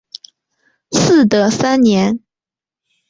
嗣德三年。